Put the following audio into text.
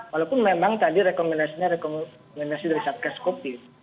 walaupun memang tadi rekomendasinya rekomendasi dari satkeskopi